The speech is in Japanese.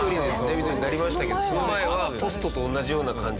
緑になりましたけどその前はポストと同じような感じ